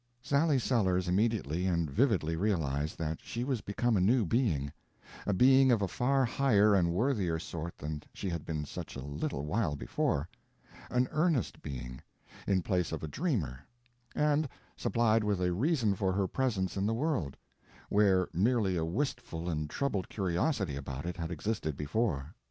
Sally Sellers immediately and vividly realized that she was become a new being; a being of a far higher and worthier sort than she had been such a little while before; an earnest being, in place of a dreamer; and supplied with a reason for her presence in the world, where merely a wistful and troubled curiosity about it had existed before.